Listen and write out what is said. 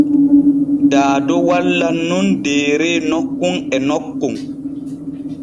Daado wallan nun deere nokkun e nokkun.